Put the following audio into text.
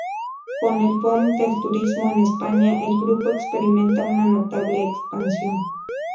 Con el "boom" del turismo en España, el grupo experimenta una notable expansión.